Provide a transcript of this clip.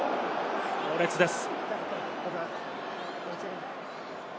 強烈です。